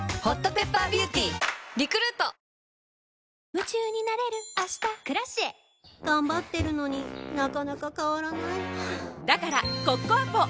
夢中になれる明日「Ｋｒａｃｉｅ」頑張ってるのになかなか変わらないはぁだからコッコアポ！